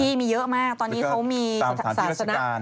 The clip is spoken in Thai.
พี่มีเยอะมากตอนนี้เขามีสถานที่รัชการ